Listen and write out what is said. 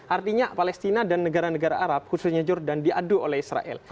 artinya palestina dan negara negara arab khususnya jordan diadu oleh israel